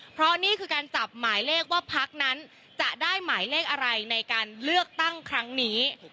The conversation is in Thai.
เพราะนี่คือการจับหมายเลขว่าพักนั้นจะได้หมายเลขอะไรในการเลือกตั้งครั้งนี้